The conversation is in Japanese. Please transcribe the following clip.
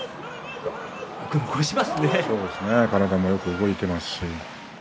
体もよく動いています。